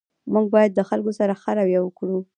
موږ باید د خلګو سره ښه رویه وکړو